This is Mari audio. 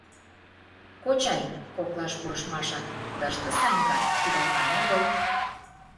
— Кочай, — коклаш пурыш Маша, — тыште Санька титакан огыл.